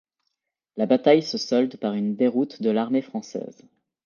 La bataille se solde par une déroute de l’armée française.